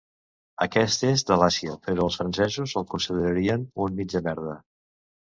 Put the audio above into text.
Aquest és de l'Àsia, però els francesos el considerarien un mitjamerda.